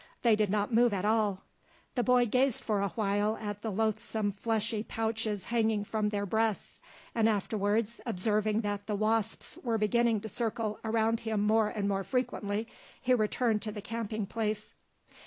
They did not move at all. The boy gazed for a while at the loathsome fleshy pouches hanging from their breasts, and afterwards, observing that the wasps were beginning to circle around him more and more frequently, he returned to the camping place.